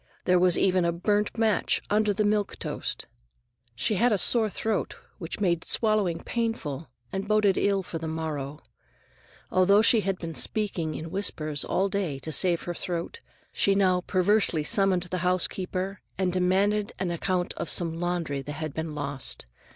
There was even a burnt match under the milk toast. She had a sore throat, which made swallowing painful and boded ill for the morrow. Although she had been speaking in whispers all day to save her throat, she now perversely summoned the housekeeper and demanded an account of some laundry that had been lost.